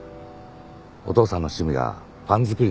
お父さんの趣味がパン作りだった事。